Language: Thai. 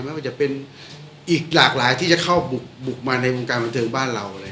ไม่ว่าจะเป็นอีกหลากหลายที่จะเข้าบุกมาในวงการบันเทิงบ้านเรา